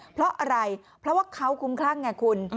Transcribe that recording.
เพราะอะไรเพราะว่าเขาคุ้มคลั่งไงคุณ